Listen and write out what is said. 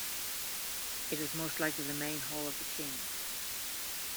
It was most likely the main hall of the kings.